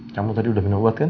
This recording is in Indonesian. kamu tadi udah menawarkan